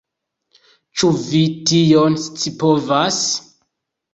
Ĉu vi tion scipovas?